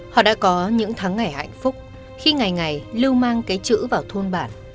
họ đã có những tháng ngày hạnh phúc khi ngày ngày lưu mang cái chữ vào thôn bản